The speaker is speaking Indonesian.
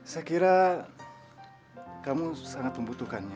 saya kira kamu sangat membutuhkannya